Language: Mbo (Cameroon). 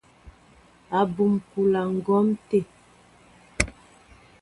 Abum kúla ŋgǒm té.